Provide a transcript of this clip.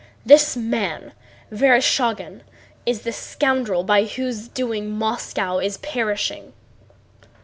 "This man, Vereshchágin, is the scoundrel by whose doing Moscow is perishing."